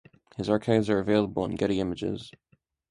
His archives are available in Getty Images.